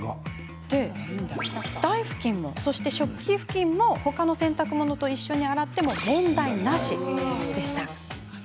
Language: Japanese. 台ふきんも食器ふきんも他の洗濯物と一緒に洗っても問題なしでした。